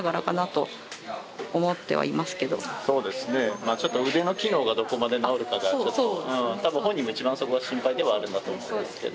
まあちょっと腕の機能がどこまで治るかがちょっと多分本人も一番そこが心配ではあるんだと思うんですけど。